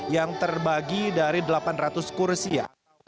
yang terbagi dari delapan ratus kursia